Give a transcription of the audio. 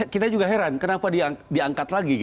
kita juga heran kenapa diangkat lagi